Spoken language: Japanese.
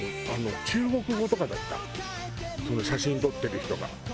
中国語とかだった写真撮ってる人が。